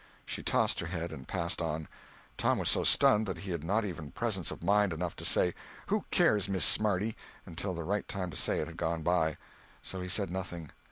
She tossed her head and passed on. Tom was so stunned that he had not even presence of mind enough to say "Who cares, Miss Smarty?" until the right time to say it had gone by. So he said nothing.